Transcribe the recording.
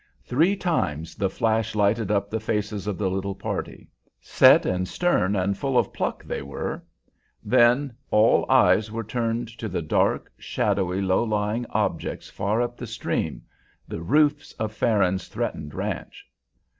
Three times the flash lighted up the faces of the little party; set and stern and full of pluck they were. Then all eyes were turned to the dark, shadowy, low lying objects far up the stream, the roofs of Farron's threatened ranch.